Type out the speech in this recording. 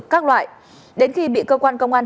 các loại đến khi bị cơ quan công an